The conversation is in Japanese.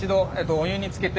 お湯につける。